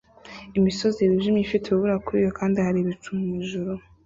Imisozi yijimye ifite urubura kuriyo kandi hari ibicu mwijuru